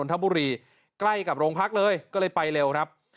ทบุรีใกล้กับโรงพักเลยก็เลยไปเร็วครับ